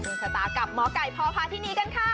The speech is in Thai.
ชะตากับหมอไก่พอพาที่นี่กันค่ะ